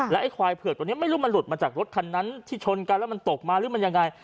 ไอ้ควายเผือกตัวนี้ไม่รู้มันหลุดมาจากรถคันนั้นที่ชนกันแล้วมันตกมาหรือมันยังไง